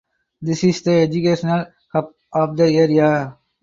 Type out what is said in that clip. This is the educational hub of the area.